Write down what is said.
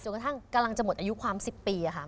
กระทั่งกำลังจะหมดอายุความ๑๐ปีค่ะ